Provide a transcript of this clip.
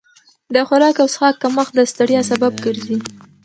د خوراک او څښاک کمښت د ستړیا سبب ګرځي.